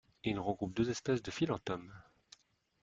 Il regroupe deux espèces de philentomes.